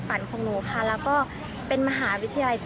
สำหรับพระพุทธชินราชหรือหลวงพ่อใหญ่เป็นพระพุทธธรูปปางมารวิชัยขนาดใหญ่